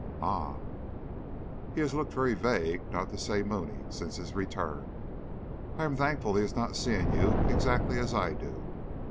"Ah! He has looked very vague, not to say mooning, since his return. I am thankful he is not seeing you exactly as I do.